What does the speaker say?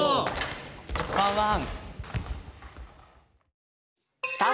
ワンワン！